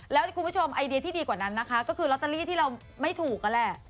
แล้วคุณผู้ชมไอเดียที่ดีกว่านั้นนะคะก็คือลอตเตอรี่ที่เราไม่ถูกนั่นแหละ